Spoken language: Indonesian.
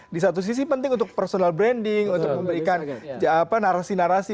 di satu sisi penting untuk personal branding untuk memberikan narasi narasi